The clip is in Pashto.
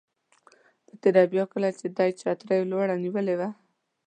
په تېره بیا کله چې دې چترۍ لوړه نیولې وه.